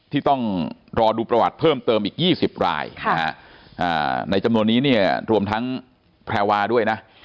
ที่ต้องรอดูประวัติเพิ่มเติมอีก๒๐รายในจำนวนนี้เนี่ยรวมทั้งแพรวาด้วยนะ